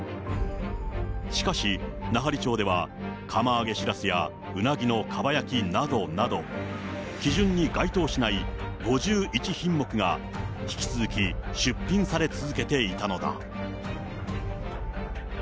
しかし、奈半利町では釜揚げしらすやうなぎのかば焼きなどなど、基準に該当しない５１品目が、引き続き出品され続けていたのだ。